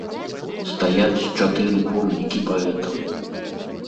Стаяць чатыры помнікі паэтам!